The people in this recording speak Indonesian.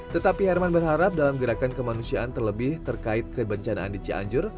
tetapi herman berharap dalam gerakan kemanusiaan terlebih terkait kebencanaan di cianjur